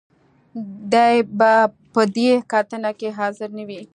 دې به په دې کتنه کې حاضر نه وي.